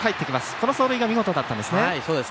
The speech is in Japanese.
この走塁が見事だったんですね。